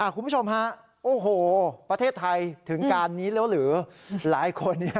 คุณผู้ชมค่ะโอ้โฮประเทศไทยถึงการจะนี้หรือหลายคน